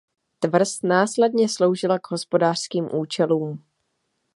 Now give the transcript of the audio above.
Tvrz následně sloužila k hospodářským účelům.